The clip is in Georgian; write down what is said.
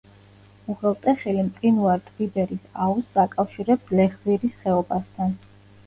უღელტეხილი მყინვარ ტვიბერის აუზს აკავშირებს ლეხზირის ხეობასთან.